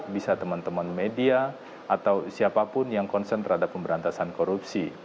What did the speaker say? bisa teman teman media atau siapapun yang concern terhadap pemberantasan korupsi